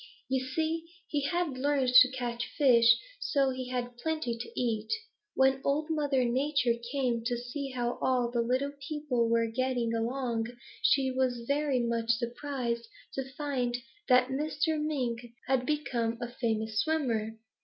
You see, he had learned to catch fish, and so he had plenty to eat. When Old Mother Nature came to see how all the little people were getting along, she was very much surprised to find that Mr. Mink had become a famous swimmer.